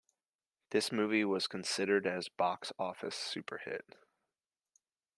This movie was considered as Box office super hit.